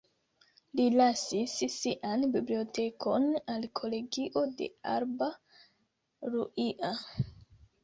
Li lasis sian bibliotekon al kolegio de Alba Iulia.